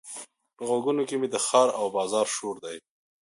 په غوږونو کې مې د ښار او بازار شور دی.